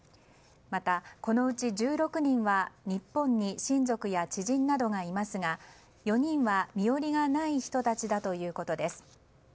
またこのうち１６人は日本に親族や知人などがいますが４人は身寄りがない人たちだということです。